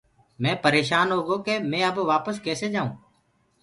مينٚ پريشان هوگو ڪي اب مي وپس ڪسي جآيونٚ۔